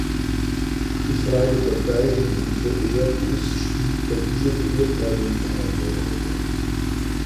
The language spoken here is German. Die Frage der Beihilfen für Airbus spielt bei dieser Beurteilung keine Rolle.